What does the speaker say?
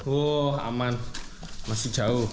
wah aman masih jauh